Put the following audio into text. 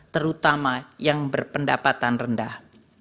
terutama yang berpendapatan rendah